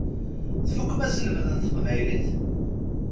Tfukkem aselmed n teqbaylit?